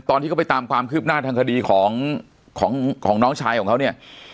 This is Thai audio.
ตอนที่เขาไปตามความคืบหน้าทางคดีของของน้องชายของเขาเนี่ย